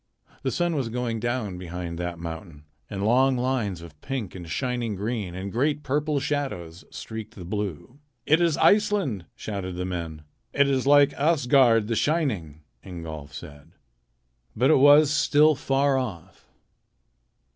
The sun was going down behind that mountain, and long lines of pink and of shining green, and great purple shadows streaked the blue. "It is Iceland!" shouted the men. "It is like Asgard the Shining," Ingolf said. But it was still far off.